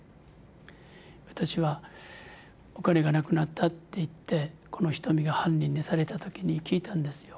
私はお金がなくなったっていってこのひとみが犯人にされた時に聞いたんですよ